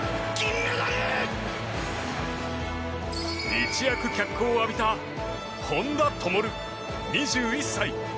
一躍、脚光を浴びた本多灯、２１歳。